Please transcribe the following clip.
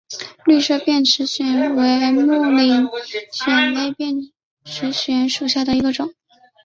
绿色变齿藓为木灵藓科变齿藓属下的一个种。